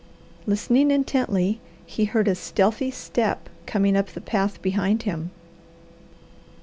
Listening intently, he heard a stealthy step coming up the path behind him.